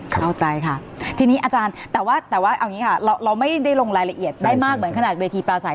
เข้าใจค่ะทีนี้อาจารย์แต่ว่าแต่ว่าเอาอย่างนี้ค่ะเราไม่ได้ลงรายละเอียดได้มากเหมือนขนาดเวทีปลาใส